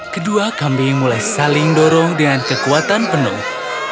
kedua kambing mulai saling dorong dengan kekuatan penuh